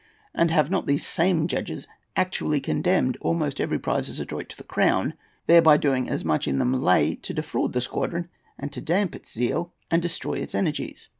And have not these same judges actually condemned almost every prize as a droit to the crown, thereby doing as much as in them lay to defraud the squadron and to damp its zeal and destroy its energies?